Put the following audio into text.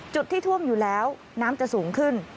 จุดที่ท่วมอยู่แล้วน้ำจะสูงขึ้น